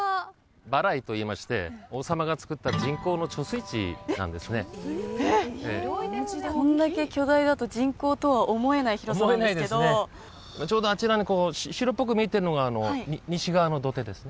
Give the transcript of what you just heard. バライといいまして王様が造ったこんだけ巨大だと人工とは思えない広さなんですけどちょうどあちらに白っぽく見えてるのが西側の土手ですね